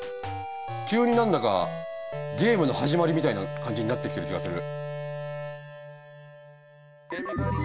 急に何だかゲームの始まりみたいな感じになってきてる気がする！